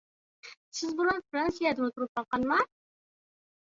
سىز بۇرۇن فىرانسىيەدىمۇ تۇرۇپ باققانما؟